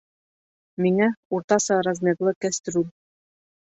Миңә уртаса размерлы кәстрүл